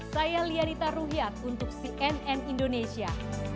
saya lianita ruhyat untuk cnn indonesia